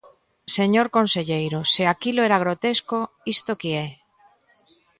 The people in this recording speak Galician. Señor conselleiro, se aquilo era grotesco, ¿isto que é?